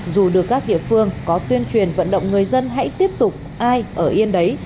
dù được các địa phương có tuyên truyền vận động người dân hãy tiếp tục ai ở yên đấy